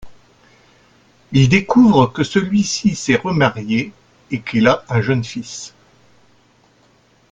Il découvre que celui-ci s'est remarié et qu'il a un jeune fils.